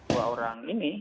dua orang ini